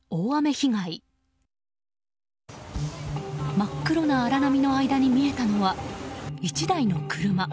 真っ黒な荒波の間に見えたのは１台の車。